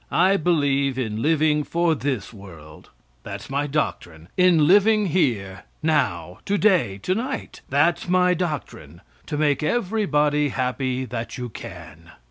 I believe in living for this world that's my doctrine in living here, now, to day, to night that's my doctrine, to make everybody happy that you can.